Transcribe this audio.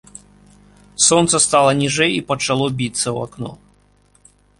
Сонца стала ніжэй і пачало біцца ў акно.